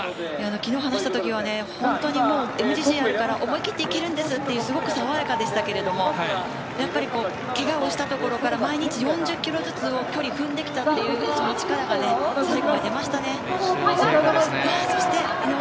昨日話したときは本当にＭＧＣがあるから思い切っていけるんですと爽やかでしたがけがをしたところから毎日４０キロずつ距離を踏んできたという力が最後に出ました。